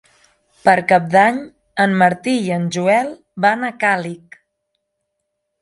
Per Cap d'Any en Martí i en Joel van a Càlig.